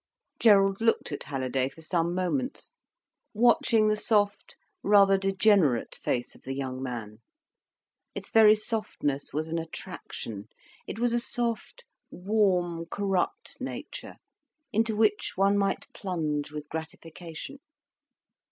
Gerald looked at Halliday for some moments, watching the soft, rather degenerate face of the young man. Its very softness was an attraction; it was a soft, warm, corrupt nature, into which one might plunge with gratification.